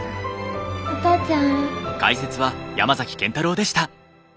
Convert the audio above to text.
お父ちゃん？